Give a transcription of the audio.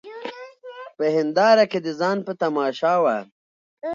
په هینداره کي د ځان په تماشا وه